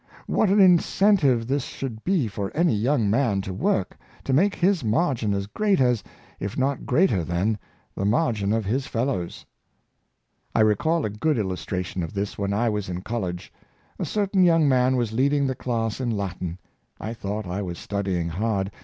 249 What an incentive this should be for any young man to work, to make his margin as great as, if not greater than, the margin of his fellows ! I recall a good illustration of this when I was in col lege. A certain young man was leading the class in Latin. I thought I was studying hard.